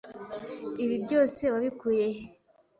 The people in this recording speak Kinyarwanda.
Ibi byose wabikuye he?